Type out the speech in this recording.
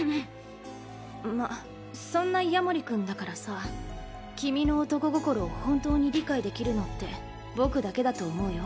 まっそんな夜守君だからさ君の男心を本当に理解できるのって僕だけだと思うよ。